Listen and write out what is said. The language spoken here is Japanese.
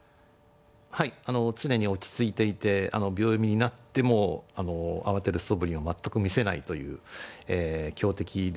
はい常に落ち着いていて秒読みになっても慌てるそぶりを全く見せないという強敵ですね。